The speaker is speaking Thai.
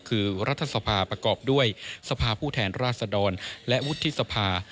คือรัฐสภาประกอบด้วยสภาผู้แทนราชดรและวุฒิสภา